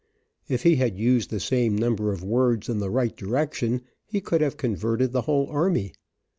If he had used the same number of words in the right direction, he could have converted the whole army.